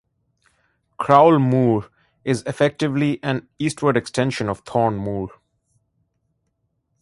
Crowle Moor is effectively an eastward extension of Thorne Moor.